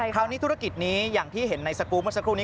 ธุรกิจนี้อย่างที่เห็นในสกูลเมื่อสักครู่นี้